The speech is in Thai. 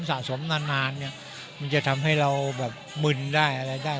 สะสมนานเนี่ยมันจะทำให้เราแบบมึนได้อะไรได้